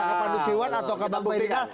atau ke manusia atau ke pemerintah